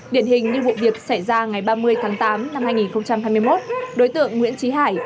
điển hình như vụ việc xảy ra ngày ba mươi tháng tám năm hai nghìn hai mươi một đối tượng nguyễn trí hải